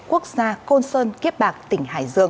quốc gia côn sơn kiếp bạc tỉnh hải dương